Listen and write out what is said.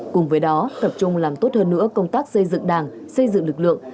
cùng với đó tập trung làm tốt hơn nữa công tác xây dựng đảng xây dựng lực lượng